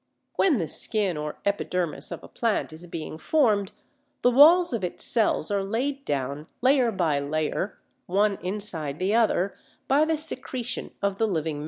When the skin or epidermis of a plant is being formed, the walls of its cells are laid down, layer by layer, one inside the other, by the secretion of the living matter inside.